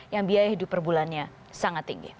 yang biaya hidup per bulannya sangat tinggi